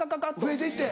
増えていって。